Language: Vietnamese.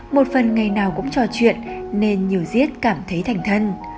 một phần ngày nào cũng trò chuyện nên nhiều giết cảm thấy thành thân